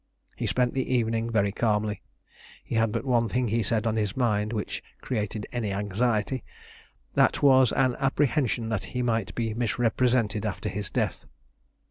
He spent the evening very calmly. He had but one thing, he said, on his mind which created any anxiety; that was, an apprehension that he might be misrepresented after his death.